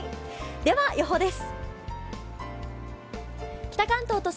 では予報です。